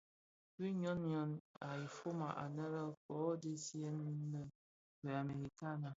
Bi ñyon yon a fyoma anèn Kō dhesèè min lè be amerikana,